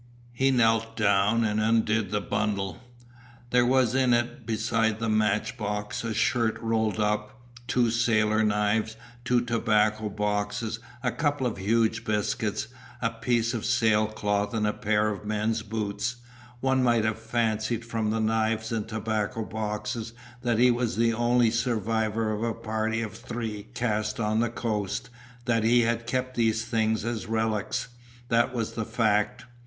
He knelt down and undid the bundle. There was in it beside the match box a shirt rolled up, two sailors' knives, two tobacco boxes, a couple of huge biscuits, a piece of sail cloth and a pair of men's boots, one might have fancied from the knives and tobacco boxes that he was the only survivor of a party of three cast on the coast and that he had kept these things as relics. That was the fact.